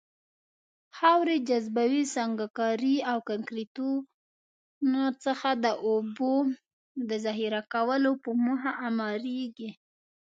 خاورې، جاذبوي سنګکارۍ او کانکریتو څخه د اوبو د ذخیره کولو په موخه اعماريږي.